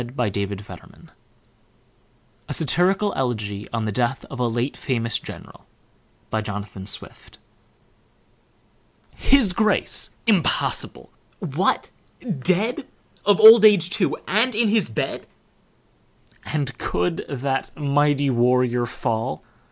Jonathan Swift < A Satirical Elegy On the Death of a Late FAMOUS GENERAL HIS Grace! impossible! what dead! Of old age, too, and in his bed! And could that Mighty Warrior fall?